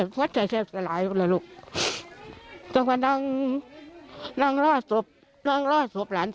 พ่อจะทำอะไรกันหน่อย